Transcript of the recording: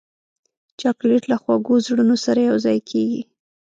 چاکلېټ له خوږو زړونو سره یوځای کېږي.